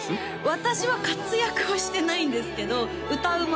私は活躍はしてないんですけど歌うま